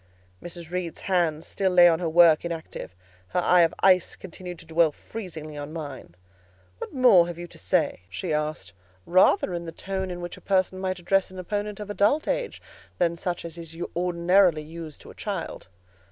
Mrs. Reed's hands still lay on her work inactive: her eye of ice continued to dwell freezingly on mine. "What more have you to say?" she asked, rather in the tone in which a person might address an opponent of adult age than such as is ordinarily used to a child.